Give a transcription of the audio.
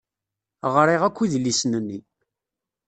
Ɣriɣ akk idlisen-nni.